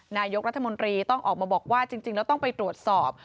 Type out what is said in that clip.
นายกรัฐมนตรีต้องออกมาบอกว่าจริงแล้วต้องไปตรวจสอบ